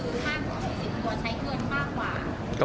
เขาบอกว่าต้องซื้อ๕๖๐ตัวใช้เงินมากกว่า